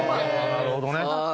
なるほどね。